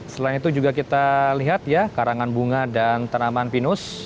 selain itu juga kita lihat ya karangan bunga dan tanaman pinus